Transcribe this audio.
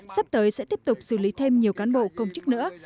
sắp tới sẽ tiếp tục xử lý thêm nhiều cán bộ công chức nữa